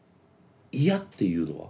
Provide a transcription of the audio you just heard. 嫌っていうのは？